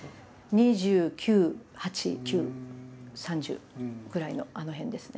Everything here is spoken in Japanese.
２９２８２９３０ぐらいのあの辺ですね。